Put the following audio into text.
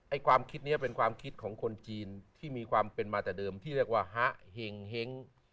ความคิดนี้เป็นความคิดของคนจีนที่มีความเป็นมาแต่เดิมที่เรียกว่าฮะเห็ง